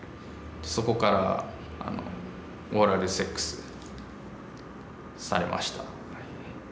そこからオーラルセックスされました。